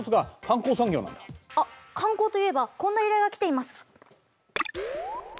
観光といえばこんな依頼が来ています！